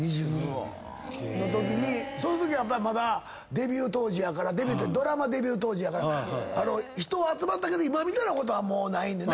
そのときまだデビュー当時やからドラマデビュー当時やから人は集まったけど今みたいなことはないねんな。